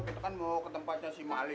kita kan mau ke tempatnya si male